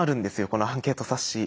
このアンケート冊子。